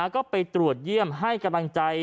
ก็ไปตรวจเยี่ยมให้กำลังใจ